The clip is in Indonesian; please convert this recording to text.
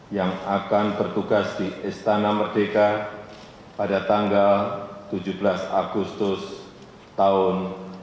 yang akan bertugas di istana merdeka pada tanggal tujuh belas agustus tahun dua ribu dua puluh